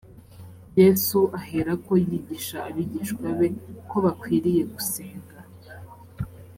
yesu aherako yigisha abigishwa be ko bakwiriye gusenga.